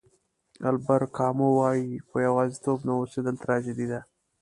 البر کامو وایي په یوازېتوب نه اوسېدل تراژیدي ده.